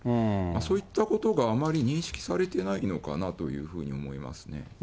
そういったことがあまり認識されてないのかなというふうに思いますね。